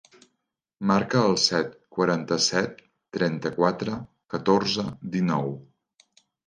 Marca el set, quaranta-set, trenta-quatre, catorze, dinou.